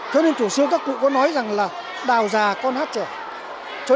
thế nên thủ sư các cụ có nói rằng là đào già con hát trở